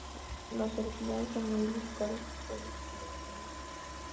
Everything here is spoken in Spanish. Las originales son muy buscadas por los coleccionistas.